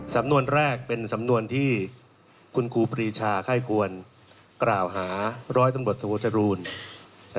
สำนวนแรกเป็นสำนวนที่คุณครูปรีชาไข้ควรกล่าวหาร้อยตำรวจโทจรูล